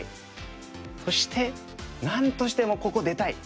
そしてなんとしてもここ出たい。